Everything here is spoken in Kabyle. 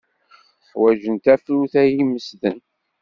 Ḥwajent tafrut ay imesden.